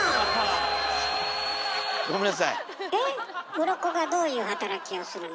うろこがどういう働きをするの？